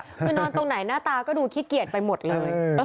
คือนอนตรงไหนหน้าตาก็ดูขี้เกียจไปหมดเลย